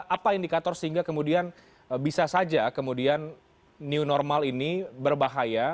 apa indikator sehingga kemudian bisa saja kemudian new normal ini berbahaya